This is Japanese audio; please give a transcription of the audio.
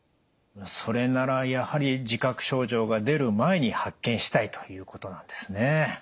それならやはり自覚症状が出る前に発見したいということなんですね。